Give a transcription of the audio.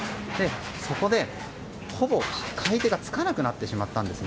そこでほぼ買い手がつかなくなってしまったんですね。